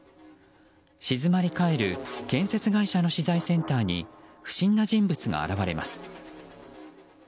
静まり返る建設会社の資材センターに不審な人物が現れます。